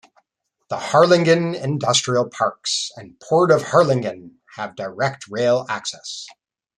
The Harlingen Industrial Parks and Port of Harlingen have direct rail access.